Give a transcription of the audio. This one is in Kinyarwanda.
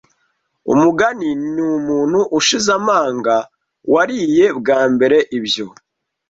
Umugani ni umuntu ushize amanga wariye bwa mbere ibyo